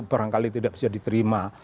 barangkali tidak bisa diterima